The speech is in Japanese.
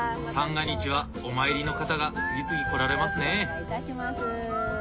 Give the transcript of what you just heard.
三が日はお参りの方が次々来られますね。